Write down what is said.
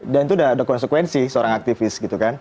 dan itu sudah ada konsekuensi seorang aktivis